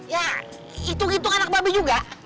ya hitung hitung anak babi juga